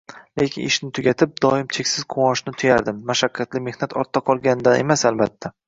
Lekin ishni tugatib, doim cheksiz quvonchni tuyardim mashaqqatli mehnat ortda qolganidan emas, albatta